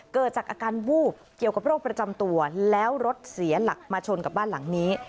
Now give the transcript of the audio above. เกิดจากอาการวูบเกี่ยวกับโรคประจำตัวแล้วรถเสียหลักมาชนกับบ้านหลังนี้